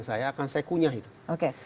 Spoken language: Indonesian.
saya akan saya kunyah itu